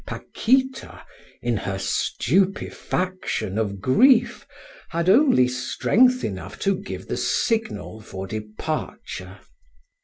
Paquita, in her stupefaction of grief, had only strength enough to give the signal for departure.